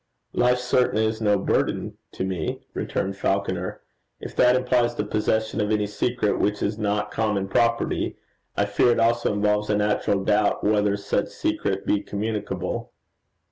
'Life certainly is no burden to me,' returned Falconer. 'If that implies the possession of any secret which is not common property, I fear it also involves a natural doubt whether such secret be communicable.'